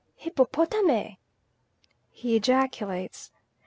"Hippopotame," he ejaculates.